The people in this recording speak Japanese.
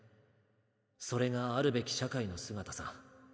それがあるべき社会の姿さ。